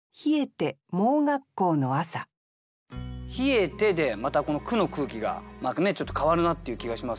「冷えて」でまたこの句の空気がちょっと変わるなっていう気がしますけども。